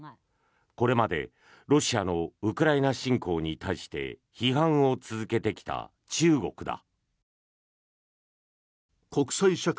これまでロシアのウクライナ侵攻に対して批判を続けてきた中国だ。